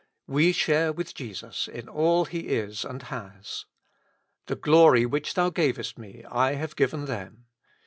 We share with Jesus in all He is and has : ''The glory which Thou gavest me, I have given them."